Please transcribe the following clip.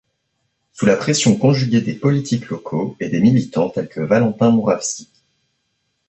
Sous la pression conjuguée des politiques locaux et de militants tels que Valentin Mouravski.